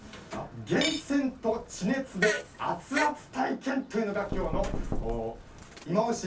源泉と地熱で熱々体験というのがいまオシ！